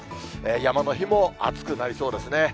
山の日も暑くなりそうですね。